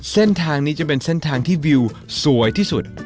เส้นทางนี้จะเป็นเส้นทางที่วิวสวยที่สุด